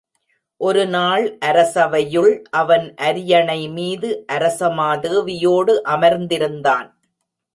ஒருநாள் அரசவையுள், அவன் அரியணைமீது அரசமா தேவியோடு அமர்ந்திருந்தான்.